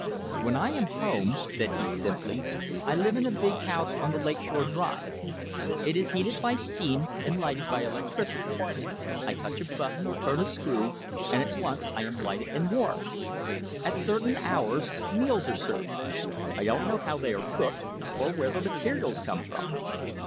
"When I am home," said he simply, "I live in a big house on the Lake Shore Drive. It is heated by steam and lighted by electricity. I touch a button or turn a screw, and at once I am lighted and warmed. At certain hours meals are served me. I don't know how they are cooked, or where the materials come from.